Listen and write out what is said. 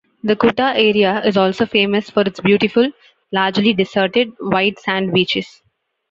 The Kuta area is also famous for its beautiful, largely deserted, white sand beaches.